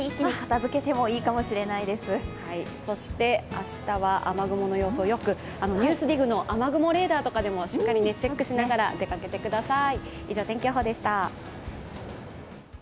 明日は雨雲の様子をよく、「ＮＥＷＳＤＩＧ」の雨雲レーダーでもしっかりチェックしながら出かけてください。